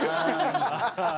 ハハハハ！